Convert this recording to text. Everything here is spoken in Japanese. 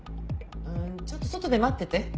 ちょっと外で待ってて。